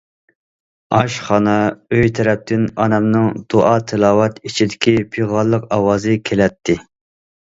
ئاشخانا ئۆي تەرەپتىن ئانامنىڭ دۇئا- تىلاۋەت ئىچىدىكى پىغانلىق ئاۋازى كېلەتتى.